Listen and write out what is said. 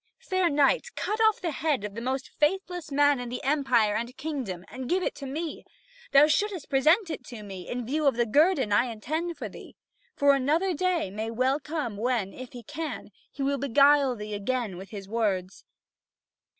Fair knight, cut off the head of the most faithless man in the empire and kingdom, and give it to me! Thou shouldst present it to me, in view of the guerdon I intend for thee. For another day may well come when, if he can, he will beguile thee again with his words."